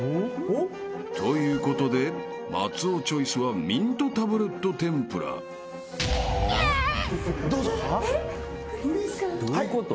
［ということで松尾チョイスはミントタブレット天ぷら］ウェッ！